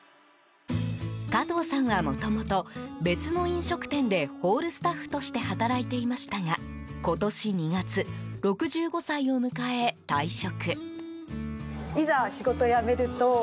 加藤さんはもともと別の飲食店でホールスタッフとして働いていましたが今年２月、６５歳を迎え退職。